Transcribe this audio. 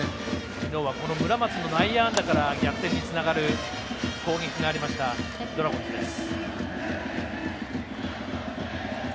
昨日は村松の内野安打から逆転につながる攻撃がありましたドラゴンズです。